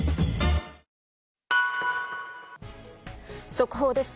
速報です。